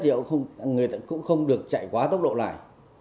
điều kiện thuận ở nhất thì cũng không được chạy quá tốc độ lại